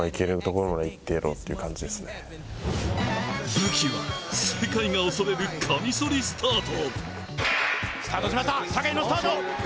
武器は世界が恐れるカミソリスタート。